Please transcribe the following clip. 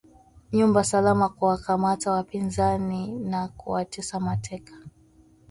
nyumba salama kuwakamata wapinzani na kuwatesa mateka